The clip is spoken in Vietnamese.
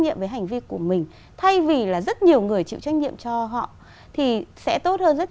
nhiệm với hành vi của mình thay vì là rất nhiều người chịu trách nhiệm cho họ thì sẽ tốt hơn rất